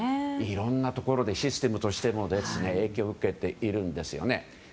いろいろなところでシステムとしても影響を受けているんですよね。